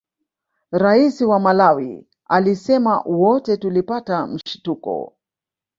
Rais wa Malawi alisema wote tulipata mshituko